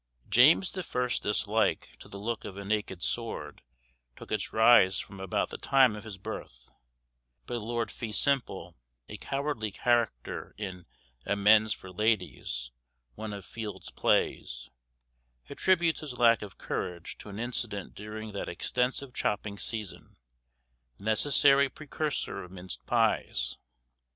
James the First's dislike to the look of a naked sword took its rise from about the time of his birth; but Lord Feesimple, a cowardly character, in 'Amends for Ladies,' one of Field's plays, attributes his lack of courage to an incident during that extensive chopping season, the necessary precursor of minced pies.